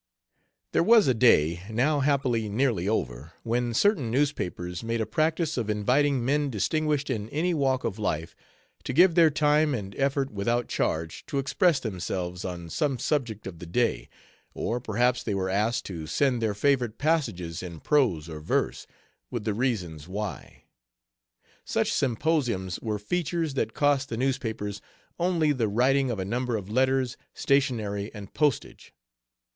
There was a day, now happily nearly over, when certain newspapers made a practice of inviting men distinguished in any walk of life to give their time and effort without charge to express themselves on some subject of the day, or perhaps they were asked to send their favorite passages in prose or verse, with the reasons why. Such symposiums were "features" that cost the newspapers only the writing of a number of letters, stationery, and postage.